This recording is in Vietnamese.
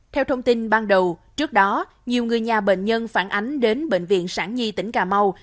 theo thông tin ban đầu trước đó nhiều người nhà bệnh nhân phản ánh đến bệnh viện sản di tỉnh cà mau